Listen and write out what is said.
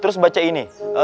terus baca ini